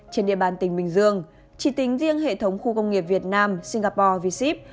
trên địa bàn tỉnh bình dương chỉ tính riêng hệ thống khu công nghiệp việt nam singapore v ship